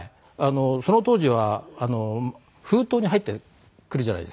その当時は封筒に入ってくるじゃないですか。